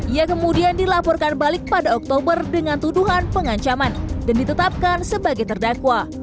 ia kemudian dilaporkan balik pada oktober dengan tuduhan pengancaman dan ditetapkan sebagai terdakwa